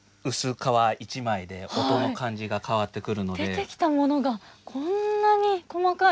出てきたものがこんなに細かい。